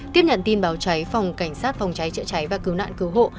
tiếp nhận tin báo cháy phòng cảnh sát phòng cháy chữa cháy và cứu nạn cứu hộ